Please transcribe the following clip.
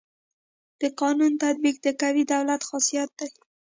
د قانون تطبیق د قوي دولت خاصيت دی.